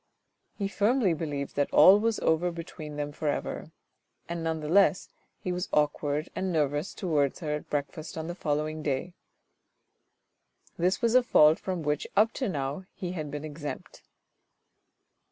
He firmly believed that all was over between them for ever, and none the less, he was awkward and nervous towards her at breakfast on the following day. This was a fault from which up to now he had been exempt.